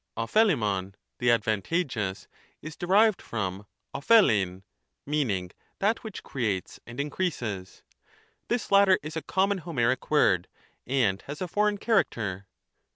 'Q(pE?uuov (the advantageous) is derived from ocpEkXeiv, meaning that which creates and increases ; this latter is a common Homeric word, and has a foreign character.